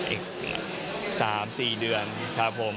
อีก๓๔เดือนครับผม